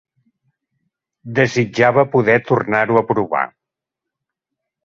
Desitjava poder tornar-ho a provar.